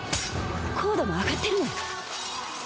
硬度も上がってるのよ